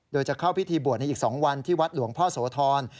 โดยจะเข้าพิธีบวชในอีก๒วันที่วัดหลวงพ่อโสธร